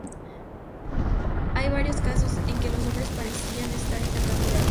Hay otros casos en que los nombres parecerían estar intercambiados.